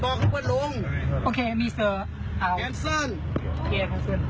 บอกให้เพิ่มลงโอเคมีเอาแคนเซินโอเคแคนเซิน